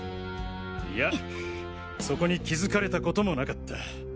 いやそこに気付かれたこともなかった。